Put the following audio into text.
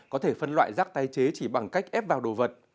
có thể phân loại rác tái chế chỉ bằng cách ép vào đồ vật